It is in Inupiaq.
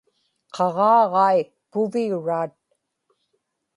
qaġaaġai puviuraat